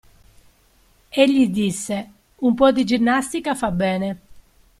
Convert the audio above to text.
Egli disse: – Un po' di ginnastica fa bene.